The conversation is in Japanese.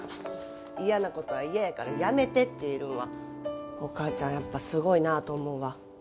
嫌なことは嫌やからやめてって言えるんはお母ちゃんやっぱすごいなと思うわ。